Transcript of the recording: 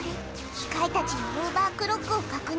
機械たちのオーバークロックを確認。